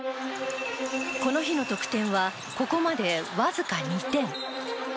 この日の得点はここまでわずか２点。